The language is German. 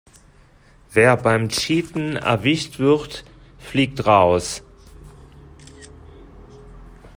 Wer beim Cheaten erwischt wird, fliegt raus.